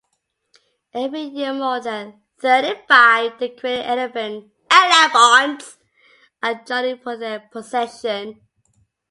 Every year more than thirty-five decorated elephants are joining for the procession.